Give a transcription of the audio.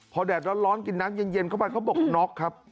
พอแดดร้อนกินน้ำเย็นเข้าไปเขาบอกน็อกครับ